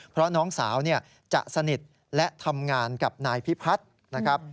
เพราะน้องสาวจะสนิทและทำงานกับนายพิพัฒน์นะครับ